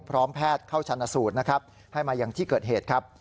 พร้อมแพทย์เข้าชันสูตรให้มาอย่างที่เกิดเหตุ